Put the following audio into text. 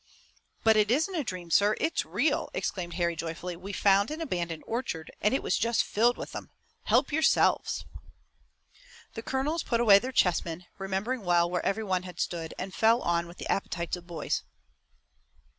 "But it isn't a dream, sir! It's real!" exclaimed Harry joyfully. "We found an abandoned orchard, and it was just filled with 'em. Help yourselves!" The colonels put away their chessmen, remembering well where every one had stood, and fell on with the appetites of boys.